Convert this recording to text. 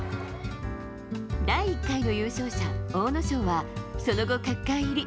第１回目の優勝者・阿武咲はその後、角界入り。